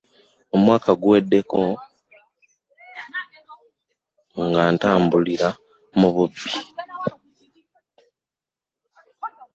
Omwaka guweddeko nga ntambulira mu bubbi.